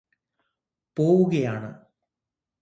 പോവുകയാണ്